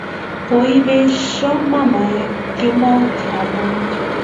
Koibisio mamae kemoutab amut